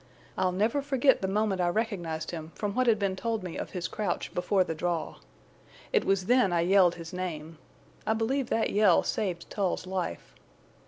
I'll never forget the moment I recognized him from what had been told me of his crouch before the draw. It was then I yelled his name. I believe that yell saved Tull's life.